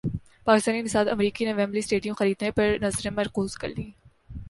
پاکستانی نژاد امریکی نے ویمبلے اسٹیڈیم خریدنے پر نظریں مرکوز کر لیں